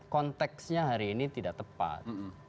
konteksnya hari ini tidak tepat